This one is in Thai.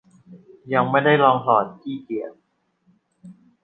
ยังไม่ได้ลองถอด ขี้เกียจ